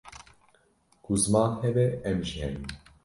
ku ziman hebe em jî henin